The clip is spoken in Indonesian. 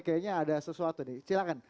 kayaknya ada sesuatu nih silahkan